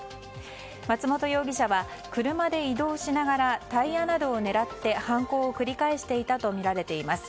松本容疑者は車で移動しながらタイヤなどを狙って犯行を繰り返していたとみられています。